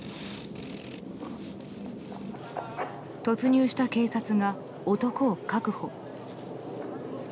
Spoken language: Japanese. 突入した警察が男を確保。